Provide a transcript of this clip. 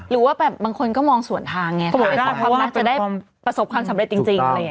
อ้าวคิดว่าแบบบางคนก็มองส่วนฐานไงขอขอความรักจะได้ประสบความสำเร็จจริง